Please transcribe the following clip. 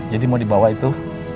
jadi mau dibawa itu